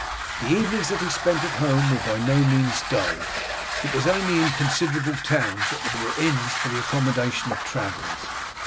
The evenings that he spent at home were by no means dull. It was only in considerable towns that there were inns for the accommodation of travellers.